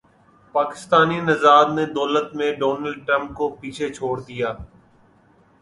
پاکستانی نژاد نے دولت میں ڈونلڈ ٹرمپ کو پیچھے چھوڑ دیا